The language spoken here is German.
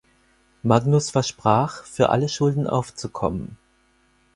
Magnus versprach, für alle Schulden aufzukommen.